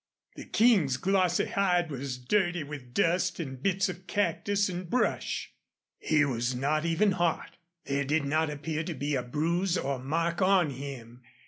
The King's glossy hide was dirty with dust and bits of cactus and brush. He was not even hot. There did not appear to be a bruise or mark on him.